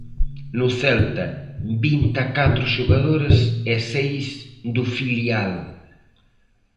No Celta vinte e catro xogadores e seis do filial.